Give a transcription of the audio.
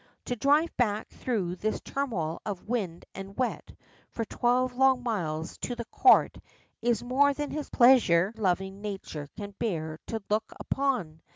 To drive back through this turmoil of wind and wet for twelve long miles to the Court is more than his pleasure loving nature can bear to look upon.